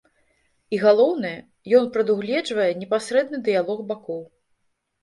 І, галоўнае, ён прадугледжвае непасрэдны дыялог бакоў.